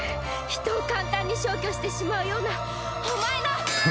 人を簡単に消去してしまうようなお前の！